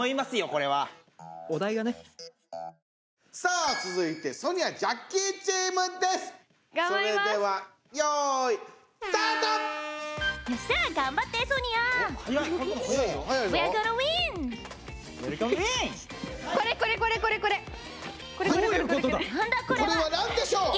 これは何でしょう？